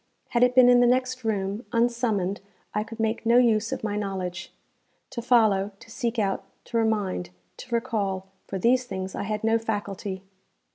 Had it been in the next room, unsummoned I could make no use of my knowledge. To follow, to seek out, to remind, to recall for these things I had no faculty.